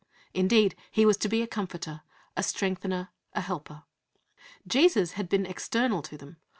8). Indeed, He was to be a Comforter, a Strengthener, a Helper. Jesus had been external to them.